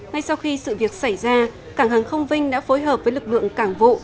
ngay sau khi sự việc xảy ra cảng hàng không vinh đã phối hợp với lực lượng cảng vụ